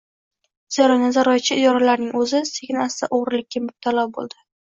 Zero, nazoratchi idoralarning o‘zi sekin-asta o‘g‘rilikka mubtalo bo‘ldi.